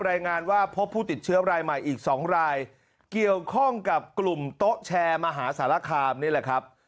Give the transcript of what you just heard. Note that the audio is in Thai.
รายงานว่าพบผู้ติดเชื้อรายใหม่อีก๒รายเกี่ยวข้องกับกลุ่มโต๊ะแชร์มหาสารคามนี่แหละครับ